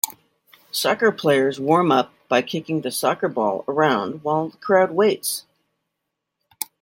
Soccer players warm up by kicking the soccer ball around while the crowd waits.